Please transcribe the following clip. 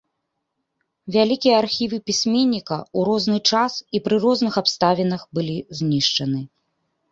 Вялікія архівы пісьменніка ў розны час і пры розных абставінах былі знішчаны.